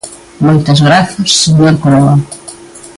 Moitas grazas, señor Croa.